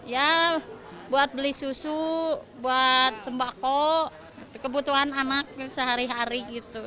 ya buat beli susu buat sembako kebutuhan anak sehari hari gitu